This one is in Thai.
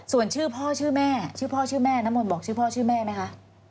ส่วนชื่อพ่อชื่อแม่ชื่อพ่อชื่อแม่น้ำมนต์บอกชื่อพ่อชื่อแม่ไหมคะ